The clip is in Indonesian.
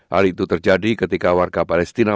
hal itu terjadi ketika warga palestina